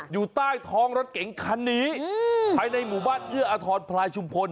อยู่ใต้ท้องรถเก๋งคันนี้ภายในหมู่บ้านเอื้ออทรพลายชุมพล